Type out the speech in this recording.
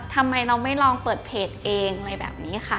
ทำไมเราไม่ลองเปิดเพจเองอะไรแบบนี้ค่ะ